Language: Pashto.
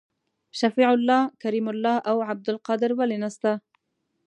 شفیع الله کریم الله او عبدالقادر ولي نسته؟